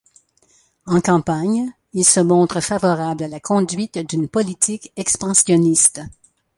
En campagne, il se montre favorable à la conduite d'une politique expansionniste.